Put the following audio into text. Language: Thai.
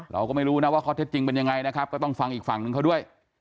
เราก็ไม่รู้นะว่าข้อเท็จจริงเป็นยังไงนะครับก็ต้องฟังอีกฝั่งหนึ่งเขาด้วย